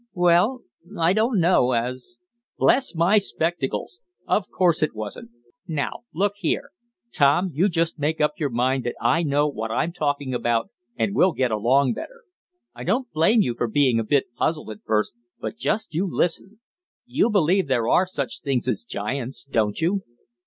"Well, I don't know, as " "Bless my spectacles! Of course it wasn't! Now, look here. Tom, you just make up your mind that I know what I'm talking about, and we'll get along better. I don't blame you for being a bit puzzled at first, but just you listen. You believe there are such things as giants; don't you?"